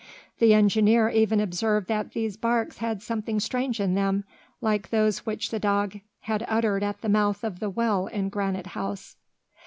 The engineer even observed that these barks had something strange in them, like those which the dog had uttered at the mouth of the well in Granite House.